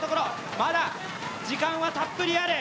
まだ時間はたっぷりある。